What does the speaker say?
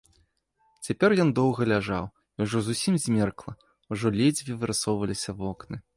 Цяпер ён доўга ляжаў, і ўжо зусім змеркла, ужо ледзьве вырысоўваліся вокны.